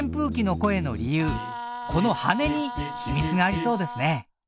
この羽根に秘密がありそうですね。